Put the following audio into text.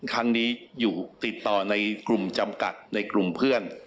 ครั้งนี้อยู่ติดต่อในกลุ่มจำกัดในกลุ่มเพื่อน